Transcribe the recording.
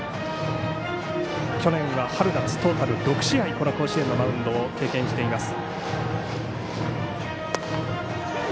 去年は春夏トータル６試合この甲子園のマウンドを経験しています。